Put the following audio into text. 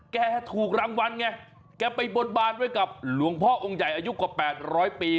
แกถูกรางวัลไงแกไปบนบานไว้กับหลวงพ่อองค์ใหญ่อายุกว่า๘๐๐ปี